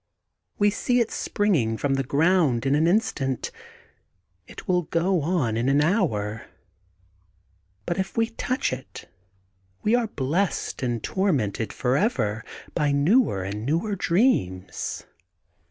We see it springing from the ground in an instant. It will go in an hour. But if we touch it we are blessed and tormented forever by newer and newer dreams.